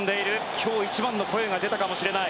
今日一番の声が出たかもしれない。